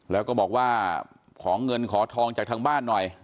แล้วก็บอกว่าขอเงินขอทองจากทางบ้านหน่อย